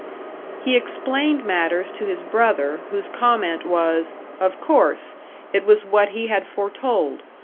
He explained matters to his brother, whose comment was, Of course! It was what he had foretold.